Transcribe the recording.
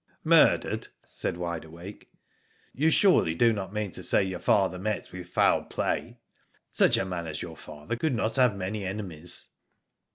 "Murdered!" said Wide Awake;'* you surely do not mean to say your father met with foul play. Such a man as your father could not have many enemies."